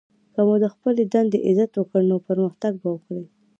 که مو د خپلي دندې عزت وکړئ! نو پرمختګ به وکړئ!